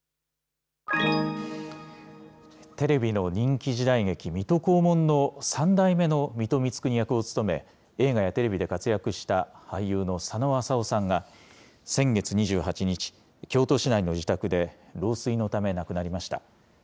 テレビの人気時代劇、水戸黄門の３代目の水戸光圀役を務め、映画やテレビで活躍した俳優の佐野浅夫さんが、先月２８日、京都市内の自宅で老衰のため亡くなりました。